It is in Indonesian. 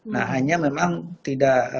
nah hanya memang tidak